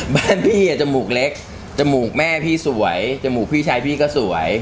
บ้านพี่จมูกเล็กจมูกแม่พี่สวยจมูกพี่ชายพี่ก็สวย